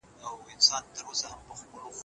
تنفیذ کوونکي ځواکونه باید عادل وي.